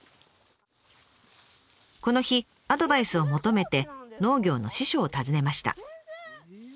この日アドバイスを求めて農業の師匠を訪ねました。